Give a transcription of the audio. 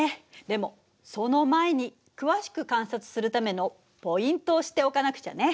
でもその前に詳しく観察するためのポイントを知っておかなくちゃね。